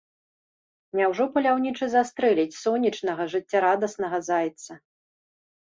Няўжо паляўнічы застрэліць сонечнага, жыццярадаснага зайца?